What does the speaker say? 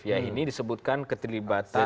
yang ini disebutkan ketiliban